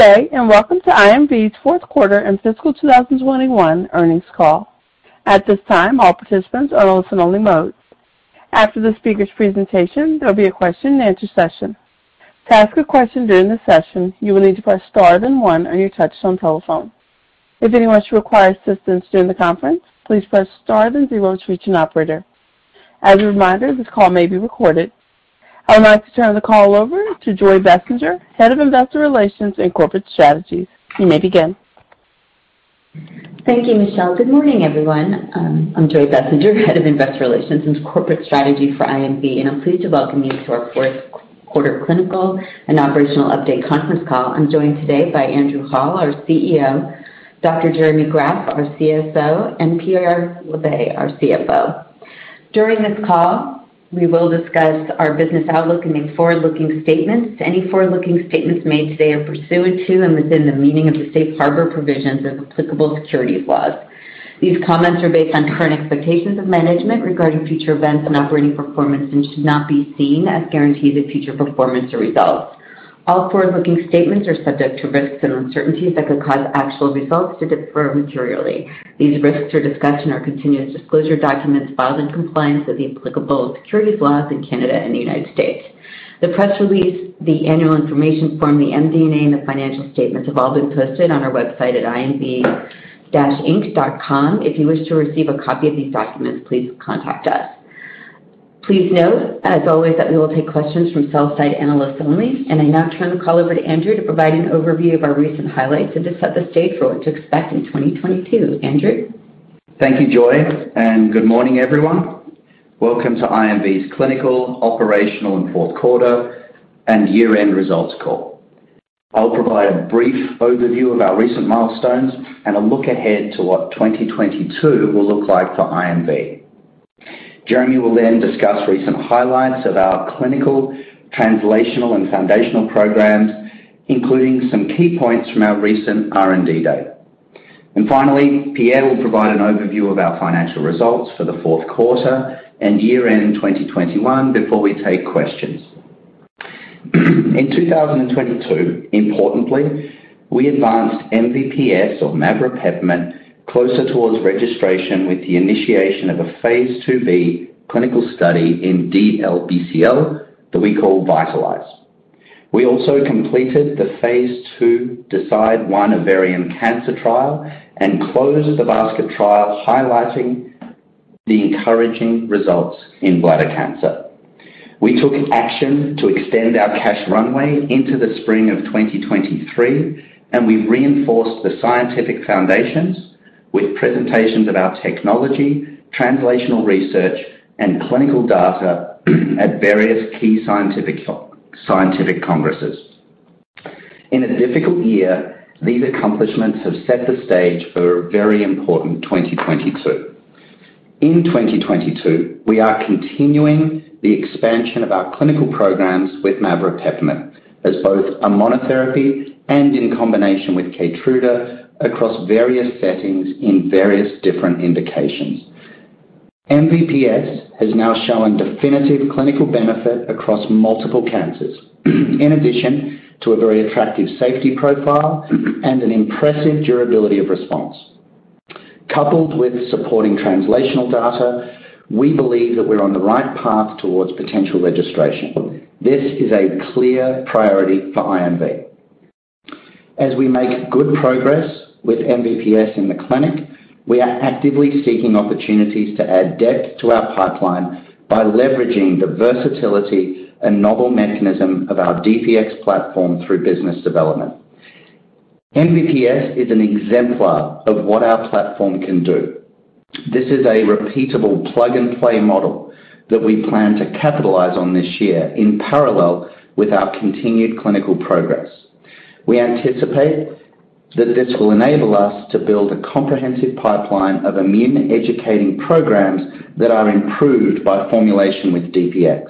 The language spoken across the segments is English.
Good day, and welcome to IMV's fourth quarter and fiscal 2021 earnings call. At this time, all participants are in listen-only mode. After the speaker's presentation, there'll be a question and answer session. To ask a question during the session, you will need to press star then one on your touchtone telephone. If anyone should require assistance during the conference, please press star then zero to reach an operator. As a reminder, this call may be recorded. I would like to turn the call over to Joy Bessenger, Head of Investor Relations and Corporate Strategies. You may begin. Thank you, Michelle. Good morning, everyone. I'm Joy Bessenger, Head of Investor Relations and Corporate Strategy for IMV, and I'm pleased to welcome you to our fourth quarter clinical and operational update conference call. I'm joined today by Andrew Hall, our CEO, Dr. Jeremy Graff, our CSO, and Pierre Labbé, our CFO. During this call, we will discuss our business outlook and make forward-looking statements. Any forward-looking statements made today are pursuant to and within the meaning of the safe harbor provisions of applicable securities laws. These comments are based on current expectations of management regarding future events and operating performance and should not be seen as guarantees of future performance or results. All forward-looking statements are subject to risks and uncertainties that could cause actual results to differ materially. These risks are discussed in our continuous disclosure documents filed in compliance with the applicable securities laws in Canada and the United States. The press release, the annual information form, the MD&A, and the financial statements have all been posted on our website at imv-inc.com. If you wish to receive a copy of these documents, please contact us. Please note, as always, that we will take questions from sell side analysts only. I now turn the call over to Andrew to provide an overview of our recent highlights and to set the stage for what to expect in 2022. Andrew. Thank you, Joy, and good morning, everyone. Welcome to IMV's clinical, operational, and fourth quarter, and year-end results call. I'll provide a brief overview of our recent milestones and a look ahead to what 2022 will look like for IMV. Jeremy will then discuss recent highlights of our clinical, translational, and foundational programs, including some key points from our recent R&D day. Finally, Pierre will provide an overview of our financial results for the fourth quarter and year-end in 2021 before we take questions. In 2022, importantly, we advanced MVP-S or maveropepimut-S closer towards registration with the initiation of a phase II B clinical study in DLBCL that we call VITALIZE. We also completed the phase II DeCidE1 ovarian cancer trial and closed the basket trial, highlighting the encouraging results in bladder cancer. We took action to extend our cash runway into the spring of 2023, and we reinforced the scientific foundations with presentations of our technology, translational research, and clinical data at various key scientific congresses. In a difficult year, these accomplishments have set the stage for a very important 2022. In 2022, we are continuing the expansion of our clinical programs with Maveropepimut-S as both a monotherapy and in combination with Keytruda across various settings in various different indications. MVP-S has now shown definitive clinical benefit across multiple cancers in addition to a very attractive safety profile and an impressive durability of response. Coupled with supporting translational data, we believe that we're on the right path towards potential registration. This is a clear priority for IMV. As we make good progress with MVP-S in the clinic, we are actively seeking opportunities to add depth to our pipeline by leveraging the versatility and novel mechanism of our DPX platform through business development. MVP-S is an exemplar of what our platform can do. This is a repeatable plug-and-play model that we plan to capitalize on this year in parallel with our continued clinical progress. We anticipate that this will enable us to build a comprehensive pipeline of immune educating programs that are improved by formulation with DPX.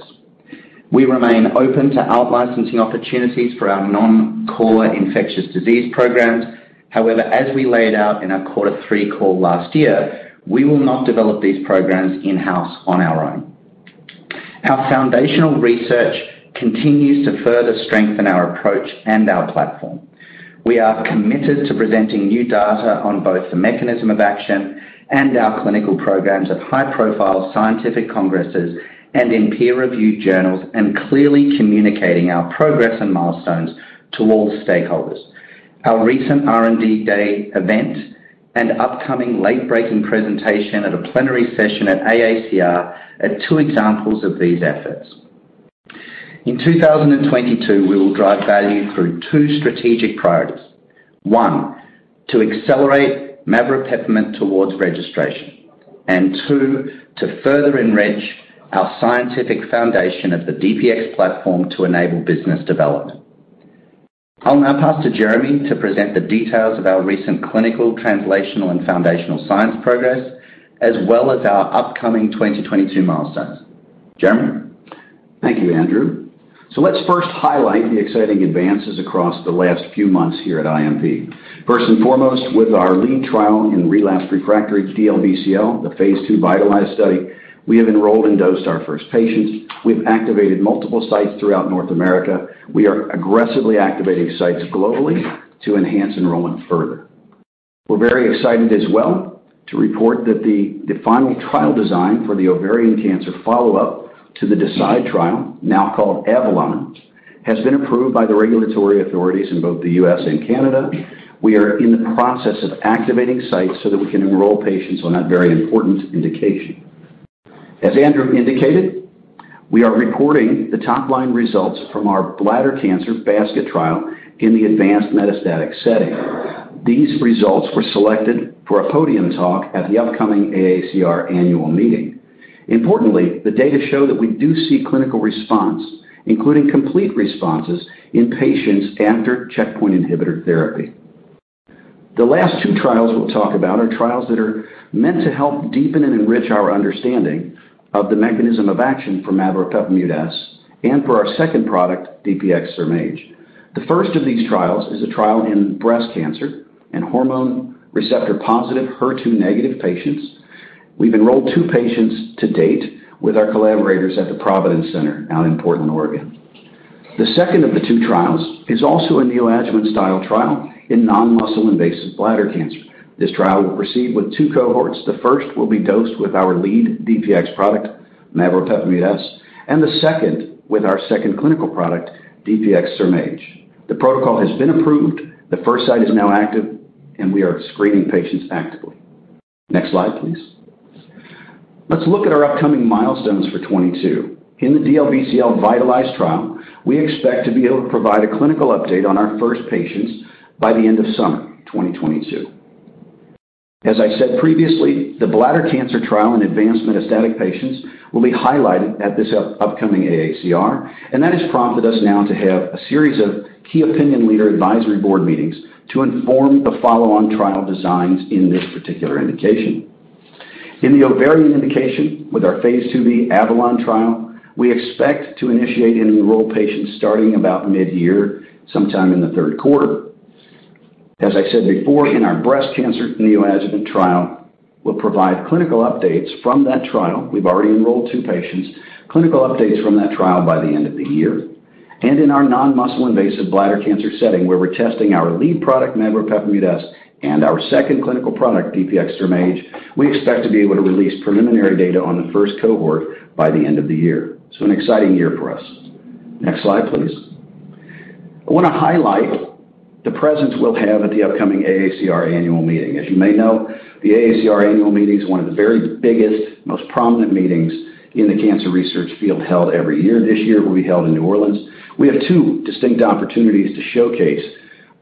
We remain open to out-licensing opportunities for our non-core infectious disease programs. However, as we laid out in our quarter three call last year, we will not develop these programs in-house on our own. Our foundational research continues to further strengthen our approach and our platform. We are committed to presenting new data on both the mechanism of action and our clinical programs at high-profile scientific congresses and in peer-reviewed journals, and clearly communicating our progress and milestones to all stakeholders. Our recent R&D day event and upcoming late breaking presentation at a plenary session at AACR are two examples of these efforts. In 2022, we will drive value through two strategic priorities. One, to accelerate Maveropepimut-S towards registration. Two, to further enrich our scientific foundation of the DPX platform to enable business development. I'll now pass to Jeremy to present the details of our recent clinical, translational, and foundational science progress, as well as our upcoming 2022 milestones. Jeremy. Thank you, Andrew. Let's first highlight the exciting advances across the last few months here at IMV. First and foremost, with our lead trial in relapsed refractory DLBCL, the phase II VITALIZE study, we have enrolled and dosed our first patients. We've activated multiple sites throughout North America. We are aggressively activating sites globally to enhance enrollment further. We're very excited as well to report that the final trial design for the ovarian cancer follow-up to the DeCidE1 trial, now called AVALON, has been approved by the regulatory authorities in both the U.S. and Canada. We are in the process of activating sites so that we can enroll patients on that very important indication. As Andrew indicated, we are reporting the top-line results from our bladder cancer basket trial in the advanced metastatic setting. These results were selected for a podium talk at the upcoming AACR annual meeting. Importantly, the data show that we do see clinical response, including complete responses in patients after checkpoint inhibitor therapy. The last two trials we'll talk about are trials that are meant to help deepen and enrich our understanding of the mechanism of action for Maveropepimut-S and for our second product, DPX-SurMAGE. The first of these trials is a trial in breast cancer and hormone receptor-positive HER2 negative patients. We've enrolled two patients to date with our collaborators at the Providence Cancer Institute out in Portland, Oregon. The second of the two trials is also a neoadjuvant style trial in non-muscle invasive bladder cancer. This trial will proceed with two cohorts. The first will be dosed with our lead DPX product, Maveropepimut-S, and the second with our second clinical product, DPX-SurMAGE. The protocol has been approved. The first site is now active, and we are screening patients actively. Next slide, please. Let's look at our upcoming milestones for 2022. In the DLBCL VITALIZE trial, we expect to be able to provide a clinical update on our first patients by the end of summer 2022. As I said previously, the bladder cancer trial in advanced metastatic patients will be highlighted at this upcoming AACR, and that has prompted us now to have a series of key opinion leader advisory board meetings to inform the follow-on trial designs in this particular indication. In the ovarian indication with our phase IIb AVALON trial, we expect to initiate and enroll patients starting about mid-year, sometime in the third quarter. As I said before, in our breast cancer neoadjuvant trial, we'll provide clinical updates from that trial. We've already enrolled two patients. Clinical updates from that trial by the end of the year. In our non-muscle invasive bladder cancer setting, where we're testing our lead product, maveropepimut-S, and our second clinical product, DPX-SurMAGE, we expect to be able to release preliminary data on the first cohort by the end of the year. An exciting year for us. Next slide, please. I want to highlight the presence we'll have at the upcoming AACR annual meeting. As you may know, the AACR annual meeting is one of the very biggest, most prominent meetings in the cancer research field held every year. This year, it will be held in New Orleans. We have two distinct opportunities to showcase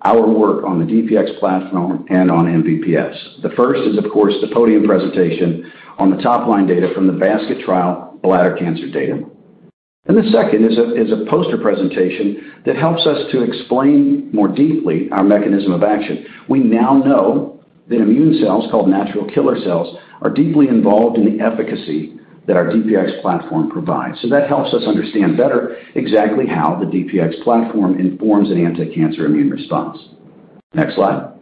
our work on the DPX platform and on MVP-S. The first is, of course, the podium presentation on the top-line data from the basket trial bladder cancer data. The second is a poster presentation that helps us to explain more deeply our mechanism of action. We now know that immune cells called natural killer cells are deeply involved in the efficacy that our DPX platform provides. That helps us understand better exactly how the DPX platform informs an anticancer immune response. Next slide.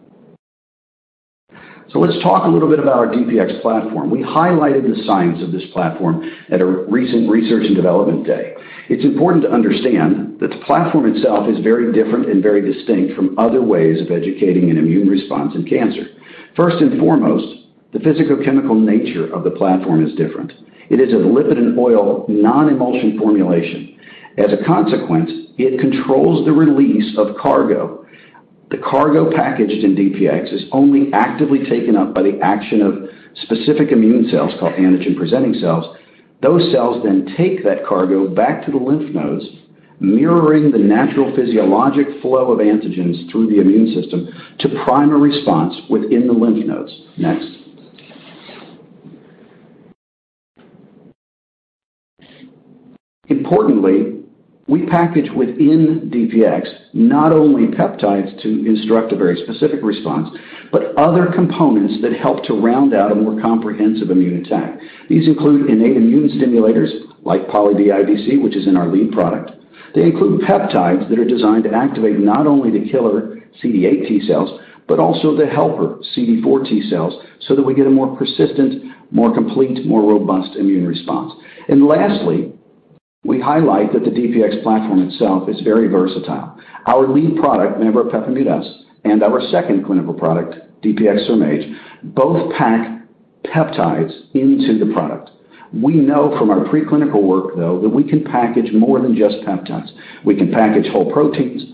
Let's talk a little bit about our DPX platform. We highlighted the science of this platform at a recent research and development day. It's important to understand that the platform itself is very different and very distinct from other ways of educating an immune response in cancer. First and foremost, the physicochemical nature of the platform is different. It is a lipid and oil non-emulsion formulation. As a consequence, it controls the release of cargo. The cargo packaged in DPX is only actively taken up by the action of specific immune cells called antigen-presenting cells. Those cells then take that cargo back to the lymph nodes, mirroring the natural physiologic flow of antigens through the immune system to prime a response within the lymph nodes. Next. Importantly, we package within DPX not only peptides to instruct a very specific response, but other components that help to round out a more comprehensive immune attack. These include innate immune stimulators like Poly-dIdC, which is in our lead product. They include peptides that are designed to activate not only the killer CD8 T cells, but also the helper CD4 T cells so that we get a more persistent, more complete, more robust immune response. Lastly, we highlight that the DPX platform itself is very versatile. Our lead product, Maveropepimut-S, and our second clinical product, DPX-SurMAGE, both pack peptides into the product. We know from our preclinical work, though, that we can package more than just peptides. We can package whole proteins,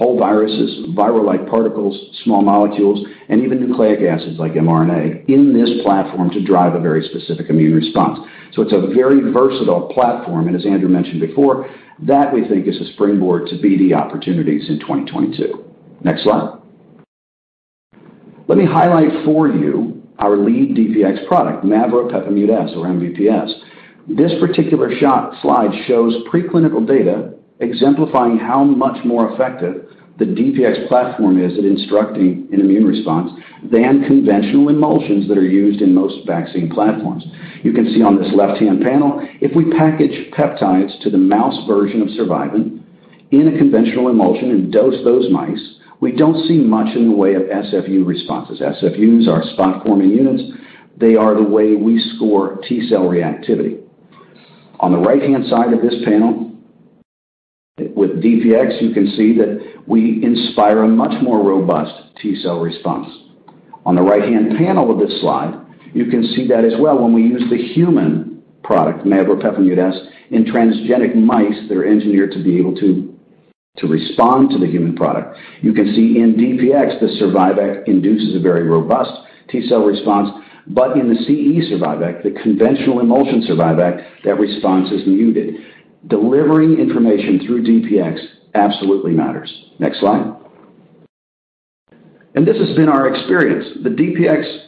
whole viruses, viral-like particles small molecules, and even nucleic acids like mRNA in this platform to drive a very specific immune response. It's a very versatile platform, and as Andrew mentioned before, that we think is a springboard to BD opportunities in 2022. Next slide. Let me highlight for you our lead DPX product, Maveropepimut-S or MVP-S. This particular slide shows preclinical data exemplifying how much more effective the DPX platform is at instructing an immune response than conventional emulsions that are used in most vaccine platforms. You can see on this left-hand panel, if we package peptides to the mouse version of survivin in a conventional emulsion and dose those mice, we don't see much in the way of SFU responses. SFUs are spot-forming units. They are the way we score T-cell reactivity. On the right-hand side of this panel with DPX, you can see that we inspire a much more robust T-cell response. On the right-hand panel of this slide, you can see that as well when we use the human product, Maveropepimut-S, in transgenic mice that are engineered to be able to respond to the human product. You can see in DPX, the Survivac induces a very robust T-cell response, but in the CE Survivac, the conventional emulsion Survivac, that response is muted. Delivering information through DPX absolutely matters. Next slide. This has been our experience. The DPX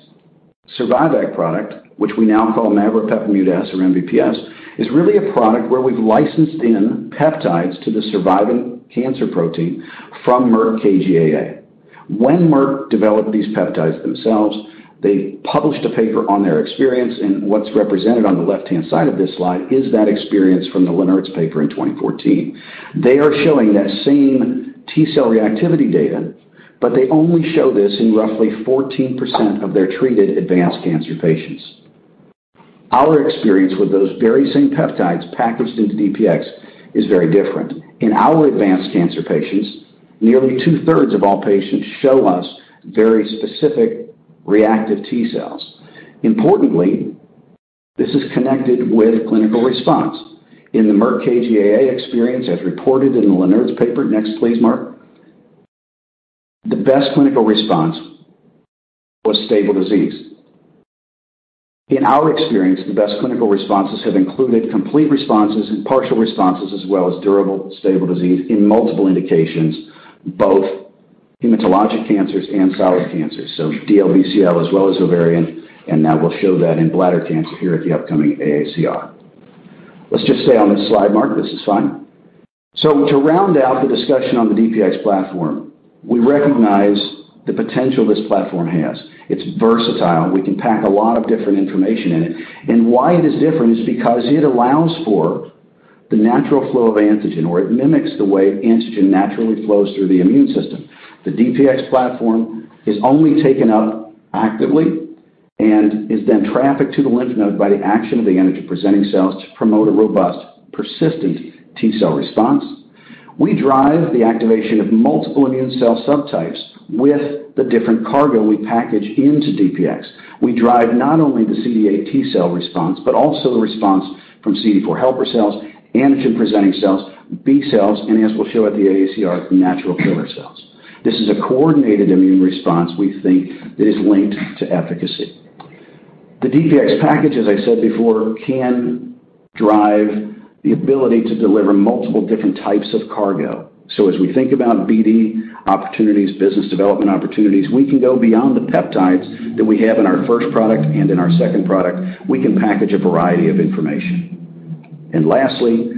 Survivac product, which we now call Maveropepimut-S or MVP-S, is really a product where we've licensed in peptides to the survivin cancer protein from Merck KGaA. When Merck developed these peptides themselves, they published a paper on their experience, and what's represented on the left-hand side of this slide is that experience from the Lennertz paper in 2014. They are showing that same T-cell reactivity data, but they only show this in roughly 14% of their treated advanced cancer patients. Our experience with those very same peptides packaged into DPX is very different. In our advanced cancer patients, nearly two-thirds of all patients show us very specific reactive T-cells. Importantly, this is connected with clinical response. In the Merck KGaA experience, as reported in the Lennertz paper. Next please, Mark. The best clinical response was stable disease. In our experience, the best clinical responses have included complete responses and partial responses, as well as durable stable disease in multiple indications, both hematologic cancers and solid cancers. DLBCL as well as ovarian, and now we'll show that in bladder cancer here at the upcoming AACR. Let's just stay on this slide, Mark. This is fine. To round out the discussion on the DPX platform, we recognize the potential this platform has. It's versatile. We can pack a lot of different information in it. Why it is different is because it allows for the natural flow of antigen, or it mimics the way antigen naturally flows through the immune system. The DPX platform is only taken up actively and is then trafficked to the lymph node by the action of the antigen-presenting cells to promote a robust, persistent T-cell response. We drive the activation of multiple immune cell subtypes with the different cargo we package into DPX. We drive not only the CD8 T-cell response, but also the response from CD4 helper cells, antigen-presenting cells, B-cells, and as we'll show at the AACR, natural killer cells. This is a coordinated immune response we think that is linked to efficacy. The DPX package, as I said before, can drive the ability to deliver multiple different types of cargo. As we think about BD opportunities, business development opportunities, we can go beyond the peptides that we have in our first product and in our second product. We can package a variety of information. Lastly,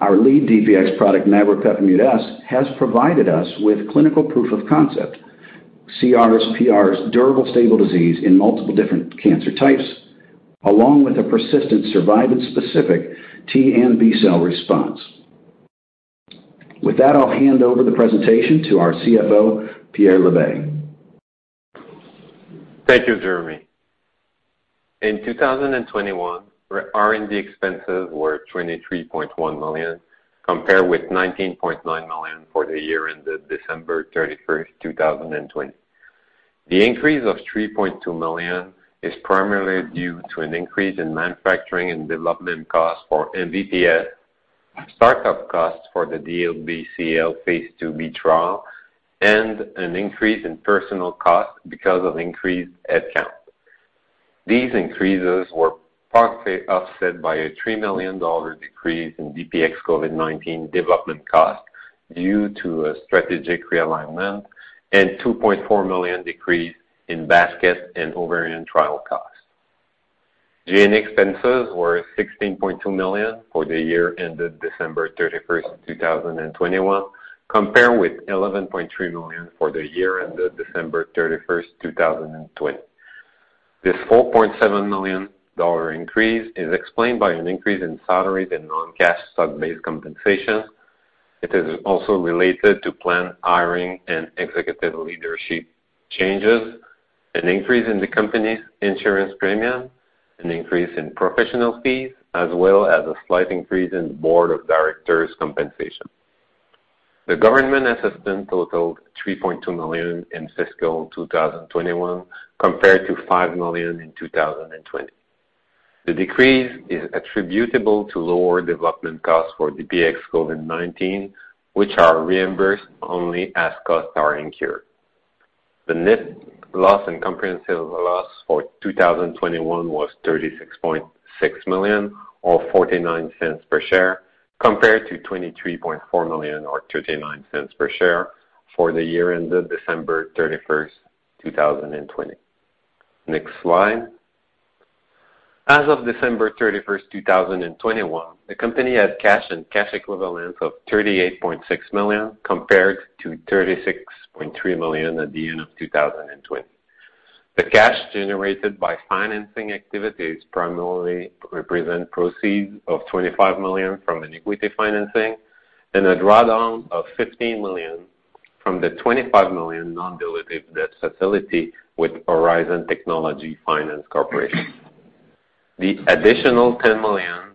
our lead DPX product, Maveropepimut-S, has provided us with clinical proof of concept, CRs, PRs, durable stable disease in multiple different cancer types, along with a persistent survivin-specific T and B-cell response. With that, I'll hand over the presentation to our CFO, Pierre Labbé. Thank you, Jeremy. In 2021, our R&D expenses were 23.1 million, compared with 19.9 million for the year ended December 31st, 2020. The increase of 3.2 million is primarily due to an increase in manufacturing and development costs for MVP-S, startup costs for the DLBCL phase IIb trial, and an increase in personnel costs because of increased headcount. These increases were partly offset by a 3 million dollar decrease in DPX-COVID-19 development costs due to a strategic realignment and 2.4 million decrease in basket and ovarian trial costs. G&A expenses were 16.2 million for the year ended December 31st, 2021, compared with 11.3 million for the year ended December 31st, 2020. This 4.7 million dollar increase is explained by an increase in salary, the non-cash stock-based compensation. It is also related to planned hiring and executive leadership changes, an increase in the company's insurance premium, an increase in professional fees, as well as a slight increase in board of directors compensation. The government assistance totaled 3.2 million in fiscal 2021 compared to 5 million in 2020. The decrease is attributable to lower development costs for DPX-COVID-19, which are reimbursed only as costs are incurred. The net loss and comprehensive loss for 2021 was 36.6 million or 0.49 per share, compared to 23.4 million or 0.39 per share for the year ended December 31st, 2020. Next slide. As of December 31st, 2021, the company had cash and cash equivalents of 38.6 million compared to 36.3 million at the end of 2020. The cash generated by financing activities primarily represent proceeds of 25 million from an equity financing and a drawdown of 15 million from the 25 million non-dilutive debt facility with Horizon Technology Finance Corporation. The additional 10 million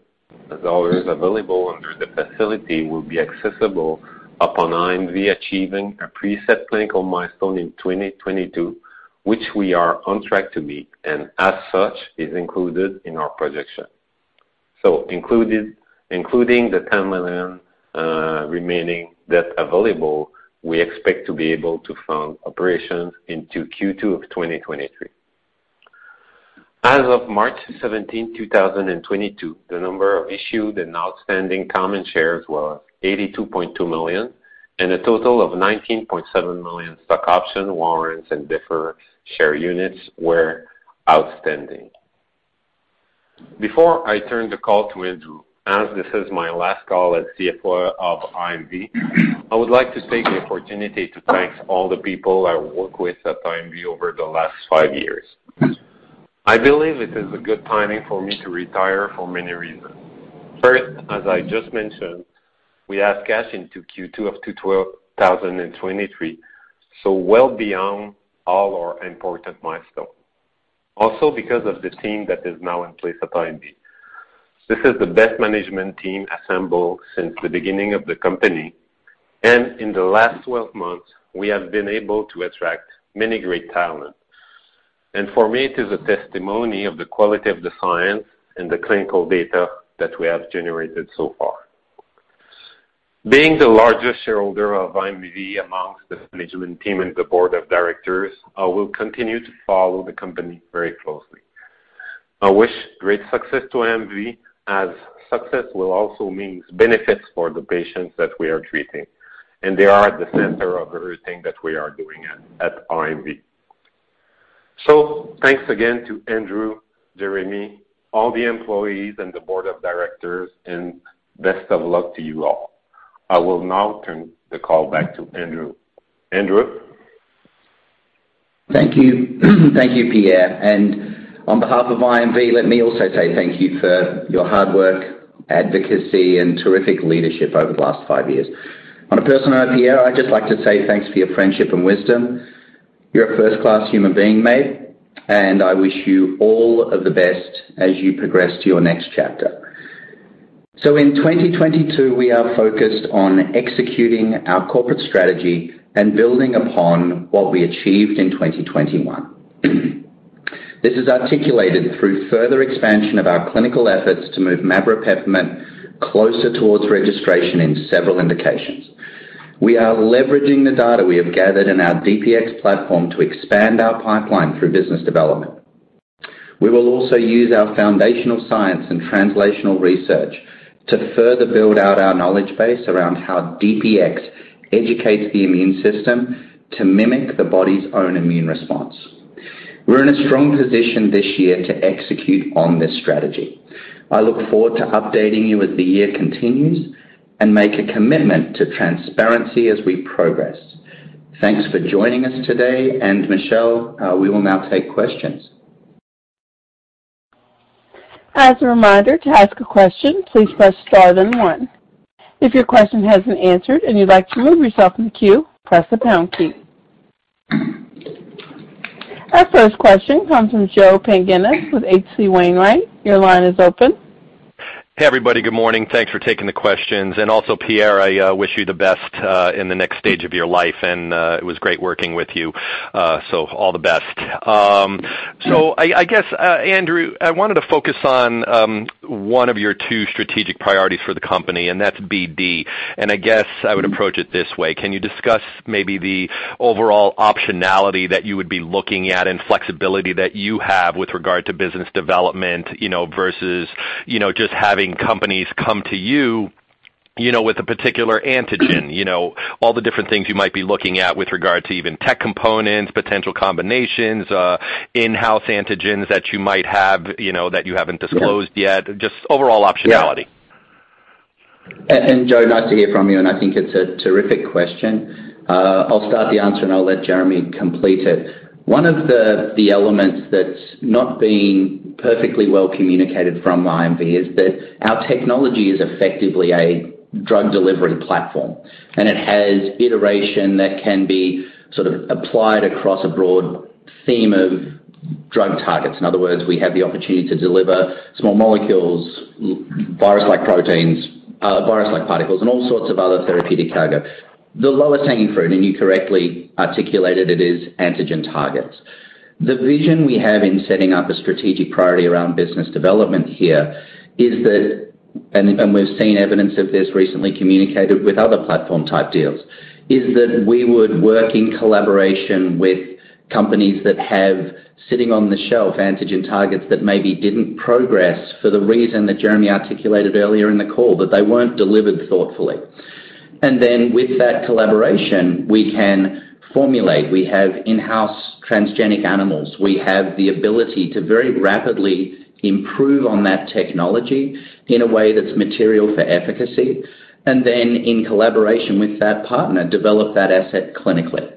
available under the facility will be accessible upon IMV achieving a preset clinical milestone in 2022, which we are on track to meet, and as such is included in our projection. Including the 10 million remaining that's available, we expect to be able to fund operations into Q2 of 2023. As of March 17, 2022, the number of issued and outstanding common shares was 82.2 million, and a total of 19.7 million stock option warrants and deferred share units were outstanding. Before I turn the call to Andrew, as this is my last call as CFO of IMV, I would like to take the opportunity to thank all the people I worked with at IMV over the last five years. I believe it is a good timing for me to retire for many reasons. First, as I just mentioned, we have cash into Q2 of 2023, so well beyond all our important milestone. Also, because of the team that is now in place at IMV. This is the best management team assembled since the beginning of the company, and in the last 12 months, we have been able to attract many great talent. For me, it is a testimony of the quality of the science and the clinical data that we have generated so far. Being the largest shareholder of IMV amongst the management team and the board of directors, I will continue to follow the company very closely. I wish great success to IMV, as success will also means benefits for the patients that we are treating, and they are at the center of everything that we are doing at IMV. Thanks again to Andrew, Jeremy, all the employees and the board of directors, and best of luck to you all. I will now turn the call back to Andrew. Andrew? Thank you. Thank you, Pierre. On behalf of IMV, let me also say thank you for your hard work, advocacy, and terrific leadership over the last five years. On a personal note, Pierre, I'd just like to say thanks for your friendship and wisdom. You're a first-class human being, mate, and I wish you all of the best as you progress to your next chapter. In 2022, we are focused on executing our corporate strategy and building upon what we achieved in 2021. This is articulated through further expansion of our clinical efforts to move Maveropepimut-S closer towards registration in several indications. We are leveraging the data we have gathered in our DPX platform to expand our pipeline through business development. We will also use our foundational science and translational research to further build out our knowledge base around how DPX educates the immune system to mimic the body's own immune response. We're in a strong position this year to execute on this strategy. I look forward to updating you as the year continues and make a commitment to transparency as we progress. Thanks for joining us today, and Michelle, we will now take questions. As a reminder, to ask a question, please press star then one. If your question hasn't answered and you'd like to remove yourself from the queue, press the pound key. Our first question comes from Joe Pantginis with H.C. Wainwright. Your line is open. Hey, everybody. Good morning. Thanks for taking the questions. Also, Pierre, I wish you the best in the next stage of your life, and it was great working with you. All the best. I guess, Andrew, I wanted to focus on one of your two strategic priorities for the company, and that's BD. I guess I would approach it this way. Can you discuss maybe the overall optionality that you would be looking at and flexibility that you have with regard to business development, you know, versus, you know, just having companies come to you know, with a particular antigen? You know, all the different things you might be looking at with regard to even tech components, potential combinations, in-house antigens that you might have, you know, that you haven't disclosed yet. Just overall optionality. Joe, nice to hear from you, and I think it's a terrific question. I'll start the answer, and I'll let Jeremy complete it. One of the elements that's not been perfectly well communicated from IMV is that our technology is effectively a drug delivery platform, and it has iteration that can be sort of applied across a broad theme of drug targets. In other words, we have the opportunity to deliver small molecules, virus-like proteins, virus-like particles, and all sorts of other therapeutic cargo. The lowest hanging fruit, and you correctly articulated it, is antigen targets. The vision we have in setting up a strategic priority around business development here is that, and we've seen evidence of this recently in other platform-type deals, we would work in collaboration with companies that have, sitting on the shelf, antigen targets that maybe didn't progress for the reason that Jeremy articulated earlier in the call, that they weren't delivered thoughtfully. With that collaboration, we can formulate. We have in-house transgenic animals. We have the ability to very rapidly improve on that technology in a way that's material for efficacy, and then in collaboration with that partner, develop that asset clinically.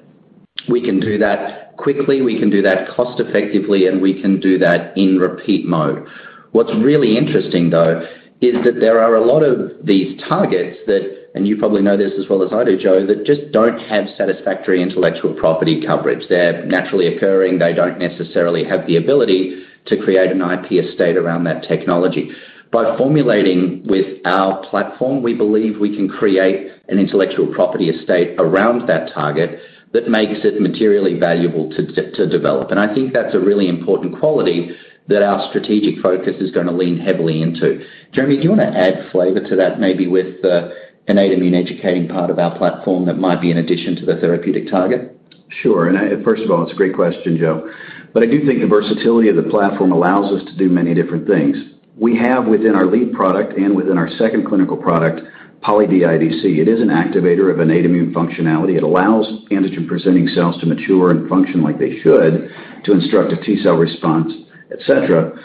We can do that quickly, we can do that cost-effectively, and we can do that in repeat mode. What's really interesting, though, is that there are a lot of these targets that, and you probably know this as well as I do, Joe, that just don't have satisfactory intellectual property coverage. They're naturally occurring. They don't necessarily have the ability to create an IP estate around that technology. By formulating with our platform, we believe we can create an intellectual property estate around that target that makes it materially valuable to develop. I think that's a really important quality that our strategic focus is gonna lean heavily into. Jeremy, do you wanna add flavor to that, maybe with the innate immune educating part of our platform that might be in addition to the therapeutic target? Sure. First of all, it's a great question, Joe. I do think the versatility of the platform allows us to do many different things. We have within our lead product and within our second clinical product, Poly-dIdC. It is an activator of innate immune functionality. It allows antigen-presenting cells to mature and function like they should to instruct a T-cell response, et cetera.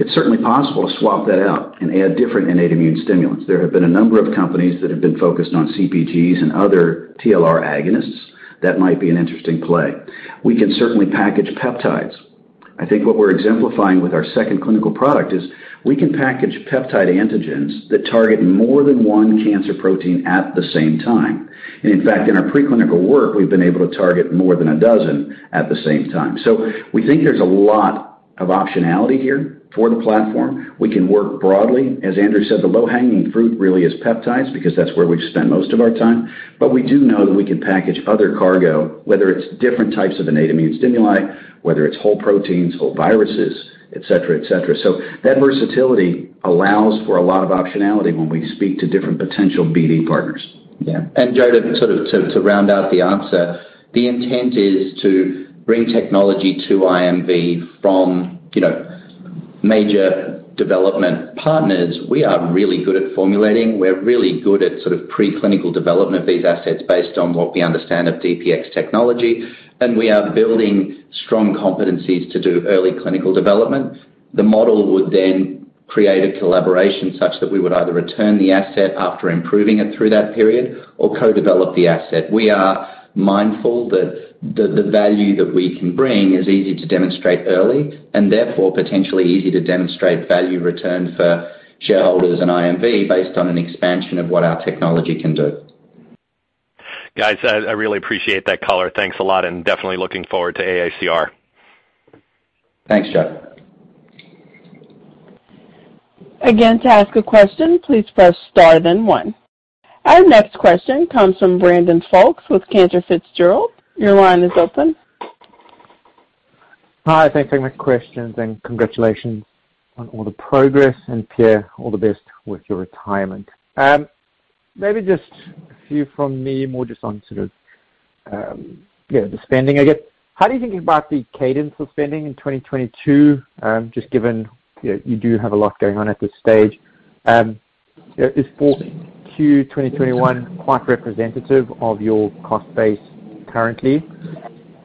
It's certainly possible to swap that out and add different innate immune stimulants. There have been a number of companies that have been focused on CpGs and other TLR agonists that might be an interesting play. We can certainly package peptides. I think what we're exemplifying with our second clinical product is we can package peptide antigens that target more than one cancer protein at the same time. In fact, in our preclinical work, we've been able to target more than a dozen at the same time. We think there's a lot of optionality here for the platform. We can work broadly. As Andrew said, the low-hanging fruit really is peptides because that's where we've spent most of our time. We do know that we can package other cargo, whether it's different types of innate immune stimuli, whether it's whole proteins or viruses, et cetera, et cetera. That versatility allows for a lot of optionality when we speak to different potential BD partners. Yeah. Joe, to sort of round out the answer, the intent is to bring technology to IMV from, you know, major development partners. We are really good at formulating. We're really good at sort of preclinical development of these assets based on what we understand of DPX technology, and we are building strong competencies to do early clinical development. The model would then create a collaboration such that we would either return the asset after improving it through that period or co-develop the asset. We are mindful that the value that we can bring is easy to demonstrate early, and therefore potentially easy to demonstrate value return for shareholders and IMV based on an expansion of what our technology can do. Guys, I really appreciate that color. Thanks a lot, and definitely looking forward to AACR. Thanks, Jeff. Our next question comes from Brandon Folkes with Cantor Fitzgerald. Your line is open. Hi. Thanks for taking my questions, and congratulations on all the progress, and Pierre, all the best with your retirement. Maybe just a few from me, more just on sort of, yeah, the spending, I guess. How do you think about the cadence of spending in 2022, just given, you know, you do have a lot going on at this stage? Is Q2 2021 quite representative of your cost base currently?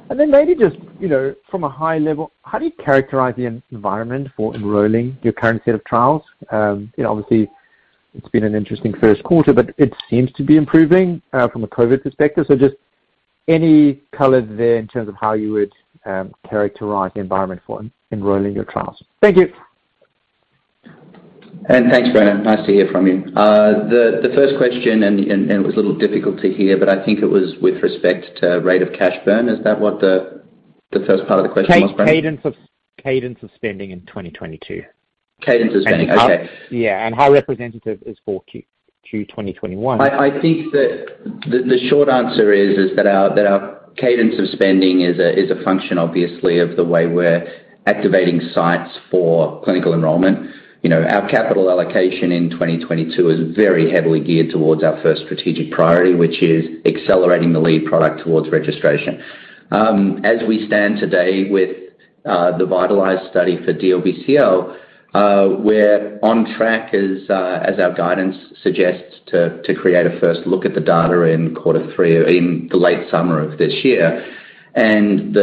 And then maybe just, you know, from a high level, how do you characterize the environment for enrolling your current set of trials? You know, obviously, it's been an interesting first quarter, but it seems to be improving, from a COVID perspective. Just any color there in terms of how you would characterize the environment for enrolling your trials? Thank you. Thanks, Brandon. Nice to hear from you. The first question, and it was a little difficult to hear, but I think it was with respect to rate of cash burn. Is that what the first part of the question was, Brandon? Cadence of spending in 2022. Cadence of spending. Okay. Yeah, how representative is for Q2 2021? I think that the short answer is that our cadence of spending is a function, obviously, of the way we're activating sites for clinical enrollment. You know, our capital allocation in 2022 is very heavily geared towards our first strategic priority, which is accelerating the lead product towards registration. As we stand today with the VITALIZE study for DLBCL, we're on track as our guidance suggests to create a first look at the data in quarter three or in the late summer of this year.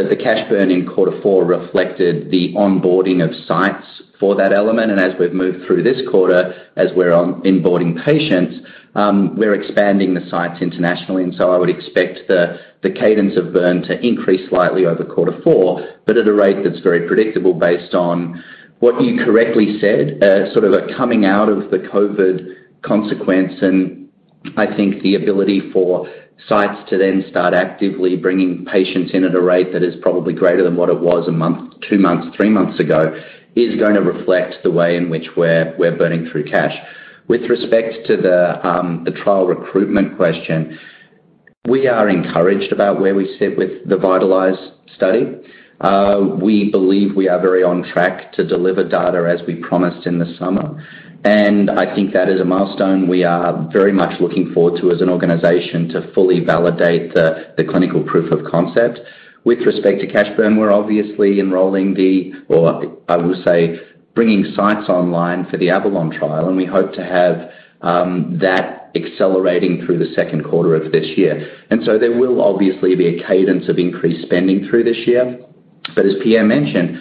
The cash burn in quarter four reflected the onboarding of sites for that element. As we've moved through this quarter, as we're onboarding patients, we're expanding the sites internationally. I would expect the cadence of burn to increase slightly over quarter four, but at a rate that's very predictable based on what you correctly said, sort of a coming out of the COVID consequence. I think the ability for sites to then start actively bringing patients in at a rate that is probably greater than what it was a month, two months, three months ago, is gonna reflect the way in which we're burning through cash. With respect to the trial recruitment question, we are encouraged about where we sit with the VITALIZE study. We believe we are very on track to deliver data as we promised in the summer. I think that is a milestone we are very much looking forward to as an organization to fully validate the clinical proof of concept. With respect to cash burn, we're obviously I would say, bringing sites online for the AVALON trial, and we hope to have that accelerating through the second quarter of this year. There will obviously be a cadence of increased spending through this year. As Pierre mentioned,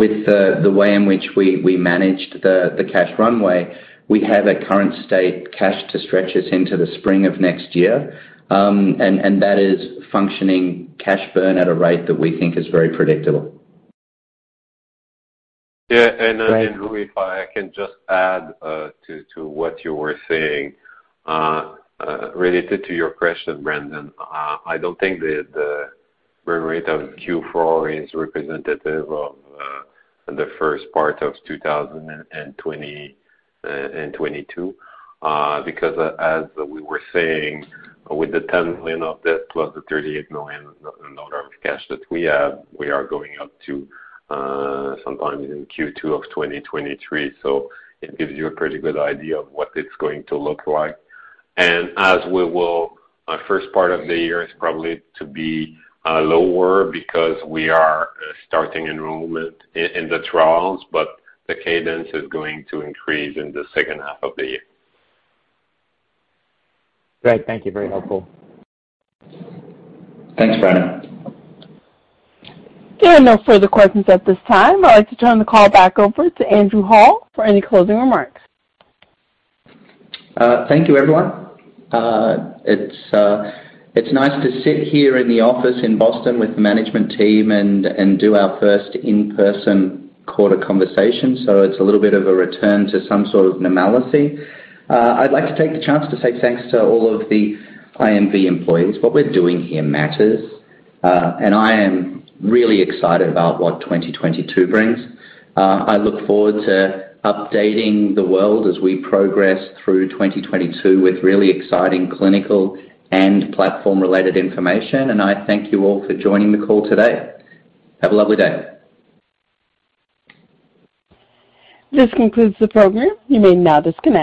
with the way in which we managed the cash runway, we have a current state cash to stretch us into the spring of next year. That is functioning cash burn at a rate that we think is very predictable. Yeah. Andrew, if I can just add to what you were saying related to your question, Brandon. I don't think that the burn rate of Q4 is representative of the first part of 2022 because as we were saying, with the 10 million of debt plus the 38 million dollars of net cash that we have, we are going up to some time in Q2 of 2023. So it gives you a pretty good idea of what it's going to look like. The first part of the year is probably to be lower because we are starting enrollment in the trials, but the cadence is going to increase in the second half of the year. Great. Thank you. Very helpful. Thanks, Brandon. There are no further questions at this time. I'd like to turn the call back over to Andrew Hall for any closing remarks. Thank you, everyone. It's nice to sit here in the office in Boston with the management team and do our first in-person quarter conversation. It's a little bit of a return to some sort of normality. I'd like to take the chance to say thanks to all of the IMV employees. What we're doing here matters, and I am really excited about what 2022 brings. I look forward to updating the world as we progress through 2022 with really exciting clinical and platform-related information. I thank you all for joining the call today. Have a lovely day. This concludes the program. You may now disconnect.